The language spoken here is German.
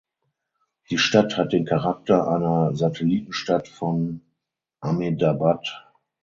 Die Stadt hat den Charakter einer Satellitenstadt von Ahmedabad.